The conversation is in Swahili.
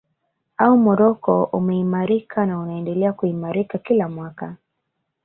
Au Morocco umeimarika na unaendelea kuimarika kila mwaka